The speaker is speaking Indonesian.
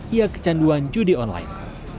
ia kecanduan judi online